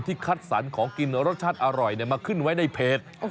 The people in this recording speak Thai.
คัดสรรของกินรสชาติอร่อยมาขึ้นไว้ในเพจ